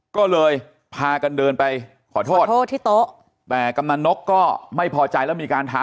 ก็เลยพากันเดินไปขอโทษขอโทษที่โต๊ะแต่กำนันนกก็ไม่พอใจแล้วมีการถาม